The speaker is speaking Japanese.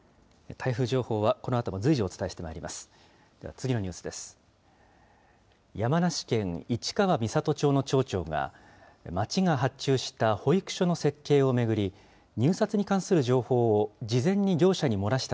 台風情報はこのあとも随時お伝えしてまいります。